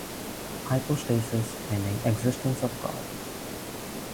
Hypostasis meaning existence of God.